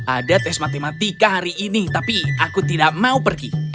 ada tes matematika hari ini tapi aku tidak mau pergi